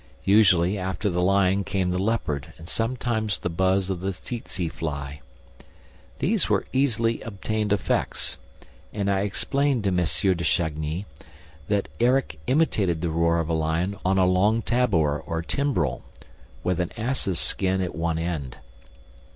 Usually, after the lion came the leopard and sometimes the buzz of the tsetse fly. These were easily obtained effects; and I explained to M. de Chagny that Erik imitated the roar of a lion on a long tabour or timbrel, with an ass's skin at one end.